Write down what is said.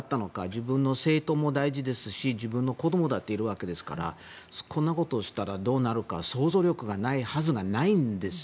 自分の生徒も大事ですし自分の子どもだっているわけですからこんなことをしたどうなるか想像力がないはずがないんです。